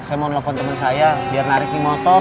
saya mau nelfon teman saya biar narik di motor